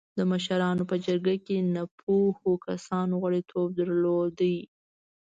د مشرانو په جرګه کې نهه پوهو کسانو غړیتوب درلوده.